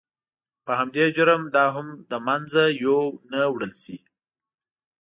په همدې جرم دا هم له منځه یو نه وړل شي.